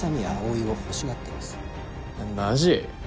マジ？